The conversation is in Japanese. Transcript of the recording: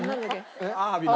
アワビの。